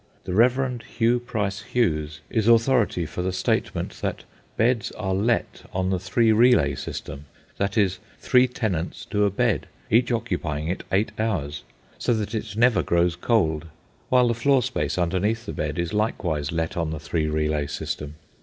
The Rev. Hugh Price Hughes is authority for the statement that beds are let on the three relay system—that is, three tenants to a bed, each occupying it eight hours, so that it never grows cold; while the floor space underneath the bed is likewise let on the three relay system.